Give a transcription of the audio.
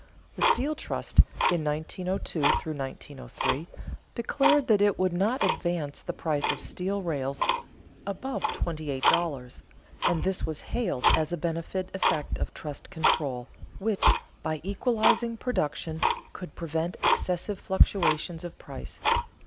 The steel trust, in 1902 3, declared that it would not advance the price of steel rails above twenty eight dollars, and this was hailed as a beneficent effect of trust control, which, by equalizing production, could prevent excessive fluctuations of price.